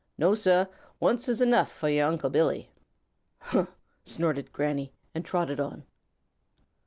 No, Sah, once is enough fo' your Unc' Billy." "Huh!" snorted Granny and trotted on.